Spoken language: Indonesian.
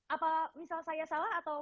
apa misal saya salah atau